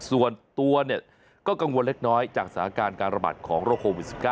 ส่วนตัวก็กังวลเล็กน้อยจากสถานการณ์การระบาดของโรคโควิด๑๙